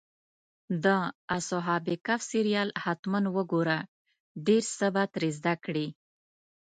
د اصحاب کهف سریال حتماً وګوره، ډېر څه به ترې زده کړې.